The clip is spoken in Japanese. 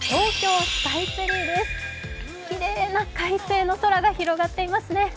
きれいな快晴の空が広がっていますね。